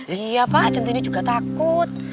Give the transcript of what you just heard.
iya pak centini juga takut